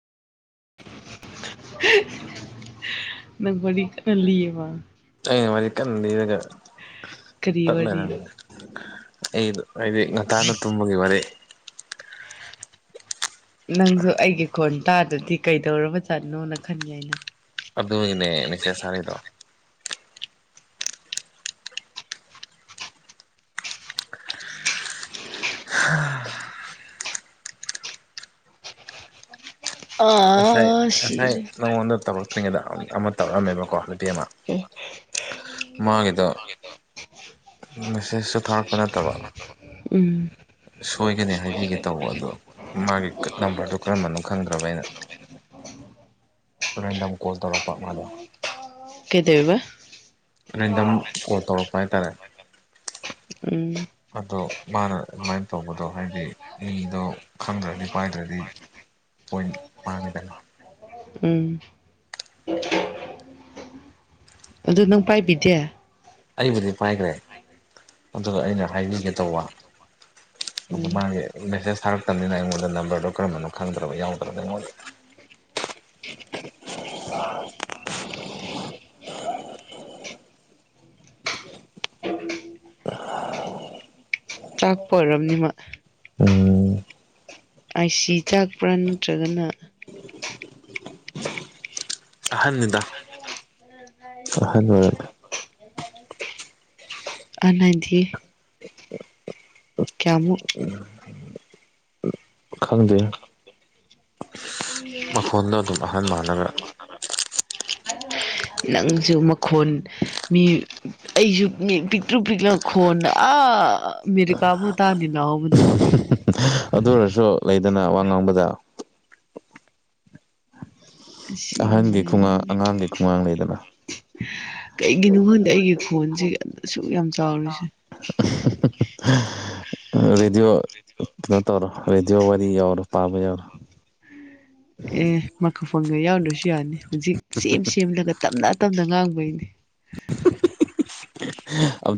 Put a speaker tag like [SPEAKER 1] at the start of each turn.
[SPEAKER 1] ꯅꯪ ꯋꯥꯔꯤ ꯀꯟꯅ ꯂꯤꯌꯦꯕ
[SPEAKER 2] ꯑꯩꯅ ꯋꯥꯔꯤ ꯀꯟꯅ ꯂꯤꯔꯒ
[SPEAKER 1] ꯀꯔꯤ
[SPEAKER 2] ꯇꯠ
[SPEAKER 1] ꯋꯥꯔꯤ
[SPEAKER 2] ꯂꯩꯔꯝꯃꯦ ꯑꯁ ꯑꯩꯗꯣ ꯍꯥꯏꯗꯤ ꯉꯟꯇꯥꯅ ꯇꯨꯝꯕꯒꯤ ꯋꯥꯔꯤ
[SPEAKER 1] ꯅꯪꯖꯨ ꯑꯩꯒꯤ ꯈꯣꯟ ꯇꯥꯗ꯭ꯔꯗꯤ ꯀꯩꯗꯧꯔꯕ ꯖꯥꯠꯅꯣꯅ ꯈꯟ ꯌꯥꯏꯅ
[SPEAKER 2] ꯑꯗꯨꯅꯤꯅꯦ ꯃꯦꯁꯦꯁ ꯊꯥꯔꯛꯏꯗꯣ ꯉꯥꯁꯥꯏ
[SPEAKER 1] ꯑꯥ
[SPEAKER 2] ꯉꯥꯁꯥꯏ
[SPEAKER 1] ꯁꯤꯔꯦ
[SPEAKER 2] ꯅꯪꯉꯣꯟꯗ ꯇꯧꯔꯛ ꯇ꯭ꯔꯤꯉꯩꯗ ꯑꯃ ꯇꯧꯔꯛꯑꯝꯃꯦꯕꯀꯣ ꯅꯨꯄꯤ ꯑꯃ ꯃꯥꯒꯤꯗꯣ ꯃꯦꯁꯦꯁꯁꯨ ꯊꯥꯔꯛꯄ ꯅꯠꯇꯕ
[SPEAKER 1] ꯎꯝ
[SPEAKER 2] ꯁꯣꯏꯒꯅꯤ ꯍꯥꯏꯕꯤꯒꯦ ꯇꯧꯕ ꯑꯗꯣ ꯃꯥꯒꯤ ꯅꯝꯕ꯭ꯔꯗꯣ ꯀꯔꯝꯕꯅꯣ ꯈꯪꯗ꯭ꯔꯕ ꯑꯩꯅ ꯔꯦꯟꯗꯝ ꯀꯣꯜ ꯇꯧꯔꯛꯄ ꯃꯥꯗꯣ
[SPEAKER 1] ꯀꯩꯗꯩꯏꯕ
[SPEAKER 2] ꯔꯦꯟꯗꯝ ꯀꯣꯜ ꯇꯧꯔꯛꯄ ꯍꯥꯏꯇꯥꯔꯦ
[SPEAKER 1] [unintelligible] ꯎꯝ
[SPEAKER 2] ꯑꯗꯣ ꯃꯥꯅ ꯑꯗꯨꯃꯥꯏꯅ ꯇꯧꯕꯗꯣ ꯍꯥꯏꯗꯤ ꯃꯤꯗꯣ ꯈꯪꯗ꯭ꯔꯗꯤ ꯄꯥꯏꯗ꯭ꯔꯗꯤ ꯄꯣꯏꯟ ꯃꯥꯡꯉꯤꯗꯅ
[SPEAKER 1] ꯎꯝ ꯑꯗꯨ ꯅꯪ ꯄꯥꯏꯕꯤꯗꯦ
[SPEAKER 2] ꯑꯩꯕꯨꯗꯤ ꯄꯥꯏꯗ꯭ꯔꯦ ꯑꯗꯨꯒ ꯑꯩꯅ ꯍꯥꯏꯕꯤꯒꯦ ꯇꯧꯕ
[SPEAKER 1] ꯎꯝ
[SPEAKER 2] [unintelligible] ꯃꯥꯒꯤ ꯃꯦꯁꯦꯁ ꯊꯥꯔꯛꯇꯝꯅꯤꯅ ꯑꯩꯉꯣꯟꯗ ꯅꯝꯕꯔꯗꯣ ꯀꯔꯝꯕꯅꯣ ꯈꯪꯗ꯭ꯔꯕ ꯌꯥꯎꯗ꯭ꯔꯕ [unintelligible] [unintelligible]
[SPEAKER 1] ꯇꯥꯛꯄ ꯑꯣꯏꯔꯝꯅꯤ ꯃꯣꯏ
[SPEAKER 2] ꯎꯝ
[SPEAKER 1] ꯑꯥꯏꯁꯤ ꯆꯥꯛꯄ꯭ꯔꯥ ꯅꯠꯇ꯭ꯔꯒꯅ
[SPEAKER 2] ꯑꯍꯟꯅꯤꯗ ꯑꯍꯟ ꯑꯣꯏꯔꯝꯃꯦ
[SPEAKER 1] ꯑꯍꯟ ꯍꯥꯏꯗꯤ
[SPEAKER 2] [unintelligible]
[SPEAKER 1] ꯀ꯭ꯌꯥꯃꯨꯛ
[SPEAKER 2] ꯈꯪꯗꯦ ꯃꯈꯣꯟꯗꯣ ꯑꯗꯨꯝ ꯑꯍꯟ ꯃꯥꯟꯂꯒ
[SPEAKER 1] ꯅꯪꯁꯨ ꯃꯈꯣꯟ ꯃꯤ ꯑꯩꯖꯨ ꯃꯤ ꯄꯤꯛꯇ꯭ꯔꯨ ꯄꯤꯛꯂ ꯈꯣꯟꯅ ꯑꯥ ꯑꯃꯦꯔꯤꯀꯥꯕꯥꯎ ꯇꯥꯅꯤ ꯂꯥꯎꯕꯗ
[SPEAKER 2] ꯑꯗꯨ ꯑꯣꯏꯔꯁꯨ ꯂꯩꯗꯅ ꯋꯥ ꯉꯥꯡꯕꯗ ꯑꯍꯟꯒꯤ
[SPEAKER 1] ꯑꯁꯦꯡꯕꯅꯦ
[SPEAKER 2] ꯈꯨꯡꯉꯥꯡ ꯑꯉꯥꯡꯒꯤ ꯈꯨꯡꯉꯥꯡ ꯂꯩꯗꯅ
[SPEAKER 1] ꯀꯩꯒꯤꯅꯣ ꯈꯪꯗꯦ ꯑꯩꯒꯤ ꯐꯣꯟꯁꯦ ꯑꯗ ꯁꯨꯛ ꯌꯥꯝ ꯆꯥꯎꯔꯤꯁꯦ
[SPEAKER 2] [unintelligible] ꯔꯦꯗꯤꯑꯣ ꯀꯩꯅꯣ ꯇꯧꯔꯣ ꯔꯦꯗꯤꯑꯣ ꯋꯥꯔꯤ ꯌꯥꯎꯔꯣ ꯄꯥꯕ ꯌꯥꯎꯔꯣ
[SPEAKER 1] ꯑꯦ ꯃꯥꯢꯀ꯭ꯔꯐꯣꯟꯒ ꯌꯥꯎꯗ꯭ꯔꯁꯨ ꯌꯥꯅꯤ ꯍꯧꯖꯤꯛ ꯁꯦꯝ ꯁꯦꯝꯂꯒ ꯇꯞꯅ ꯇꯞꯅ ꯉꯥꯡꯕꯩꯅꯦ
[SPEAKER 2] ꯑꯝ